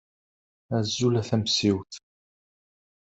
Azul a tamessiwt!